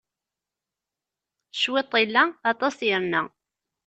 Cwiṭ illa, aṭas irna.